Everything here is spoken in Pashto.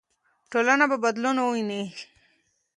ټولنه به بدلون وویني.